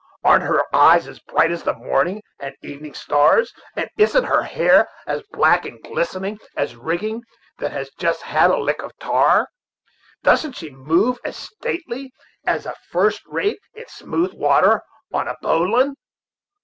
Arn't her eyes as bright as the morning and evening stars? and isn't her hair as black and glistening as rigging that has just had a lick of tar? doesn't she move as stately as a first rate in smooth water, on a bowline?